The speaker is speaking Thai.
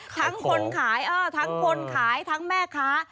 ทั้งคนขายทั้งคนขายทั้งแม่ค้า